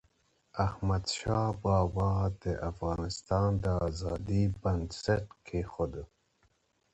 احمدشاه بابا د افغانستان د ازادی بنسټ کېښود.